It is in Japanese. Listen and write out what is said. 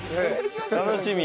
楽しみ。